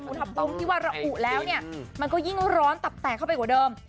อุณหภูมิที่ว่าระอุแล้วเนี่ยมันก็ยิ่งร้อนตับแตกเข้าไปกว่าเดิม